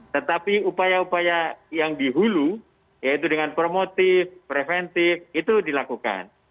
tetapi upaya upaya yang dihulu yaitu dengan promotif preventif itu dilakukan